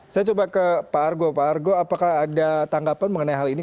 saya coba ke pak argo pak argo apakah ada tanggapan mengenai hal ini